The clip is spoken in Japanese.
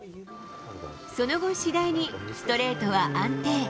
その後、次第にストレートは安定。